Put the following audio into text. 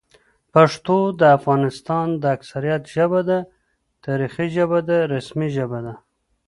پښتو د افغانستان د اکثریت ژبه ده، تاریخي ژبه ده، رسمي ژبه ده